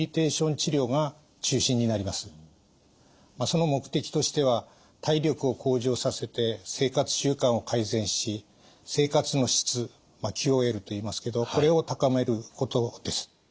その目的としては体力を向上させて生活習慣を改善し生活の質ＱＯＬといいますけどこれを高めることです。